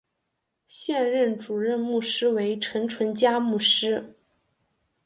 现任主任牧师为陈淳佳牧师。